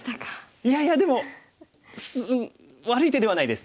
いやいやでも悪い手ではないです。